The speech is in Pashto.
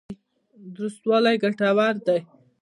درستوالی ګټور دی.